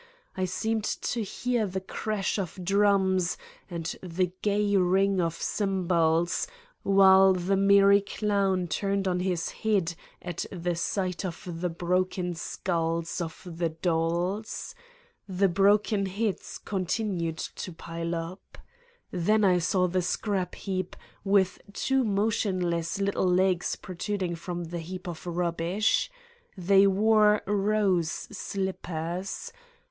I seemed to hear the crash of drums and the gay ring of cymbals, while the merry clown turned on his head at the sight of the broken 224 Satan's Diary skulls of the dolls. The broken heads continued to pile up. Then I saw the scrap heap, with two motionless little legs protruding from the heap of rubbish. They wore rose slippers.